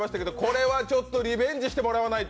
これはちょっとリベンジしてもらわないと。